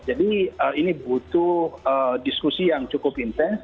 jadi ini butuh diskusi yang cukup intens